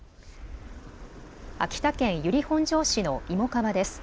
秋田県由利本荘市の芋川です。